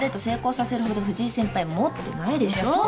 成功させるほど藤井先輩持ってないでしょ。